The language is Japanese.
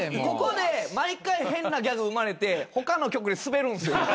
ここで毎回変なギャグ生まれて他の局でスベるんすよ。